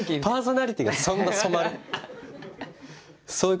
パーソナリティーがそんな染まる？